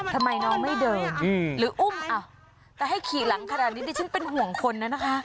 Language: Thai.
ทำไมน้องไม่เดินหรืออุ้มแต่ให้ขี่หลังขนาดนี้ดิฉันเป็นห่วงคนนั้นนะคะ